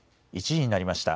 １時になりました。